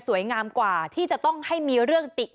ทีนี้จากรายทื่อของคณะรัฐมนตรี